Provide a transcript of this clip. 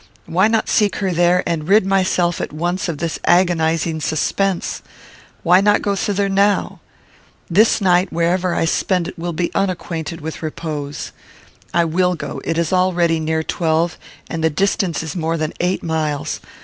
Why not seek her there, and rid myself at once of this agonizing suspense? Why not go thither now? This night, wherever I spend it, will be unacquainted with repose. I will go; it is already near twelve, and the distance is more than eight miles.